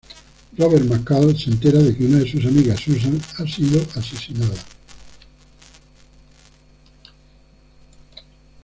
Robert McCall se entera de que una de sus amigas, Susan, ha sido asesinada.